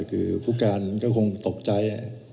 ครูปริชาก็คงตกใจ